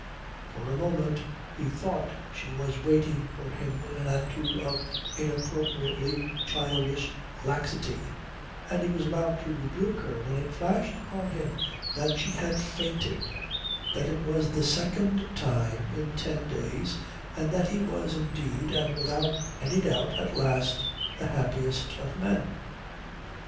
For a moment he thought she was waiting for him in an attitude of inappropriately childish laxity, and he was about to rebuke her when it flashed upon him that she had fainted, that it was the second time in ten days, and that he was indeed and without any doubt at last the happiest of men.